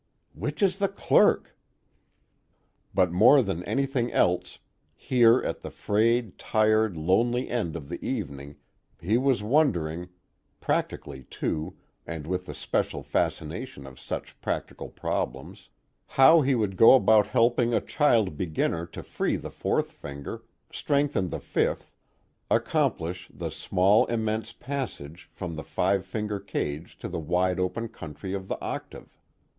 ("Which is the Clerk?") But more than anything else, here at the frayed, tired, lonely end of the evening, he was wondering practically too, and with the special fascination of such practical problems how he would go about helping a child beginner to free the fourth finger, strengthen the fifth, accomplish the small immense passage from the five finger cage to the wide open country of the octave.